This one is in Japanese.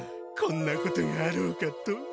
こんなことがあろうかと。